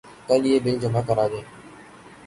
کل یہ بل جمع کرادیں